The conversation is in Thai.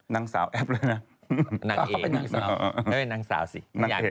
นางสาวแอฟล่ะเนี่ย